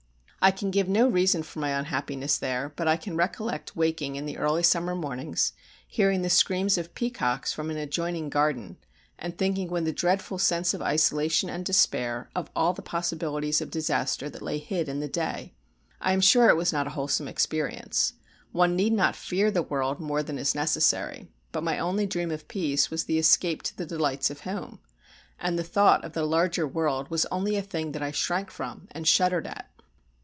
I can give no reason for my unhappiness there; but I can recollect waking in the early summer mornings, hearing the screams of peacocks from an adjoining garden, and thinking with a dreadful sense of isolation and despair of all the possibilities of disaster that lay hid in the day. I am sure it was not a wholesome experience. One need not fear the world more than is necessary but my only dream of peace was the escape to the delights of home, and the thought of the larger world was only a thing that I shrank from and shuddered at.